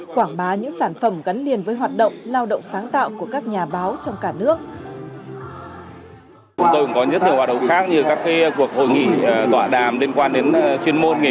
quảng bá những sản phẩm gắn liền với hoạt động lao động sáng tạo của các nhà báo trong cả nước